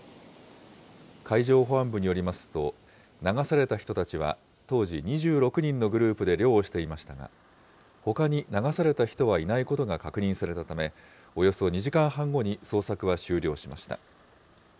海上保安部によりますと、流された人たちは、当時２６人のグループで漁をしていましたが、ほかに流された人はいないことが確認されたため、およそ２時間半後に捜索は終了しました。